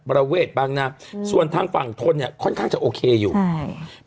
ประเวศบางนะส่วนทางฝั่งทนนี่ค่อนข้างจะโอเคอยู่ใช่